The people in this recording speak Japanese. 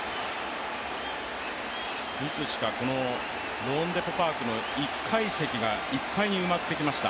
いつしかこのローンデポ・パークの１階席がいっぱいに埋まってきました。